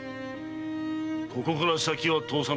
ここから先は通さんぞ。